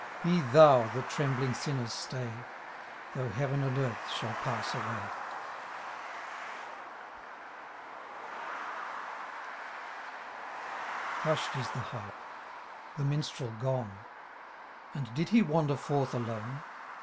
Be Thou the trembling sinner's stay. Though heaven and earth shall pass away \ Hush'o is the harp — the Minstrel gone And did he wander forth alone